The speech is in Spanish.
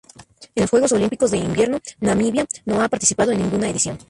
En los Juegos Olímpicos de Invierno Namibia no ha participado en ninguna edición.